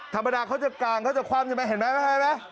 ธรรมดาเขาจะกางเขาจะคว่ำใช่ไหมเห็นไหม